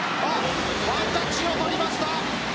ワンタッチを取りました。